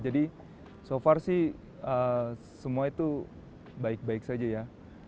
so far sih semua itu baik baik saja ya